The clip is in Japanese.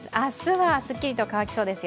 明日はすっきりと乾きそうですよ。